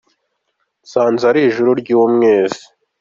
Nsanze ari ijuru ry’umwezi